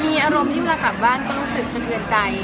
มีอารมณ์ที่เวลากลับบ้านก็รู้สึกสะเทือนใจ